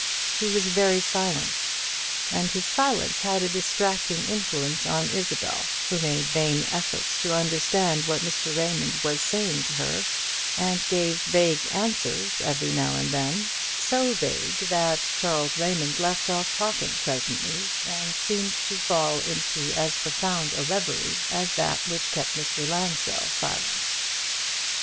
He was very silent, and his silence had a distracting influence on Isabel, who made vain efforts to understand what Mr. Raymond was saying to her, and gave vague answers every now and then; so vague that Charles Raymond left off talking presently, and seemed to fall into as profound a reverie as that which kept Mr. Lansdell silent.